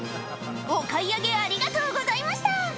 お買い上げありがとうございました！